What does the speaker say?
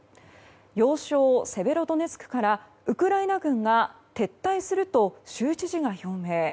要衝セベロドネツクからウクライナ軍が撤退すると州知事が表明。